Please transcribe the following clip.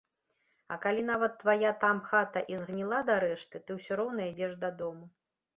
А калі нават твая там хата і згніла дарэшты, ты ўсё роўна ідзеш дадому.